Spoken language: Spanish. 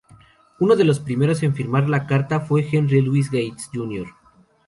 Uno de los primeros en firmar la carta fue Henry Luis Gates Jr.